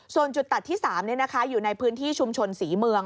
ส่วนจุดตัดที่๓อยู่ในพื้นที่ชุมชนศรีเมือง